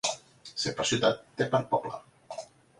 C per ciutat, T per poble.